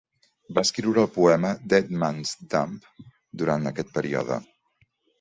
Va escriure el poema "Dead Man's Dump" durant aquest període.